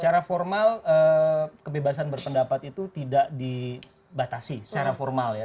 secara formal kebebasan berpendapat itu tidak dibatasi secara formal ya